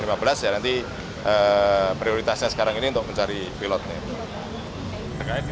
ya nanti prioritasnya sekarang ini untuk mencari pilotnya